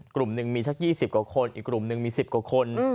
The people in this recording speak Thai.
กลุ่มนึงมีชะ๒๐กว่าคนอีกกลุ่มมี๑๐กว่าคน